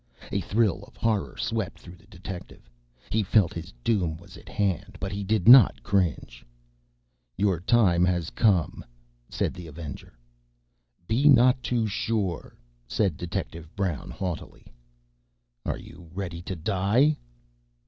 A thrill of horror swept through the detective. He felt his doom was at hand. But he did not cringe. "Your time has come!" said the Avenger. "Be not too sure," said Detective Brown haughtily. "Are you ready to die?"